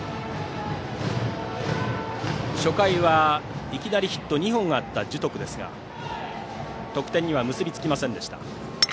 初回は、いきなりヒット２本があった樹徳ですが得点には結びつきませんでした。